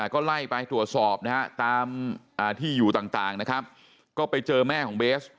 ก็ไล่ไปตรวจสอบนะฮะตามที่อยู่ต่างนะครับก็ไปเจอแม่ของเบส